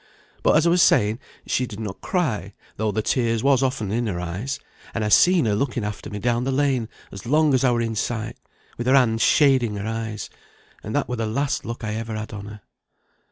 But, as I was saying, she did not cry, though the tears was often in her eyes; and I seen her looking after me down the lane as long as I were in sight, with her hand shading her eyes and that were the last look I ever had on her."